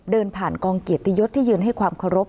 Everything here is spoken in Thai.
เดินผ่านกองเกียรติยศที่ยืนให้ความเคารพ